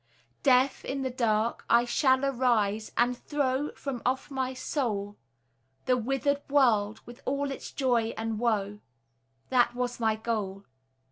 Deaf, in the dark, I shall arise and throw From off my soul, The withered world with all its joy and woe, That was my goal.